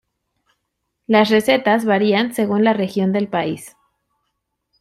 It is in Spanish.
Las recetas varían según la región del país.